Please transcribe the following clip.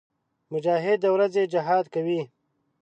مجاهد د ورځې جهاد کوي.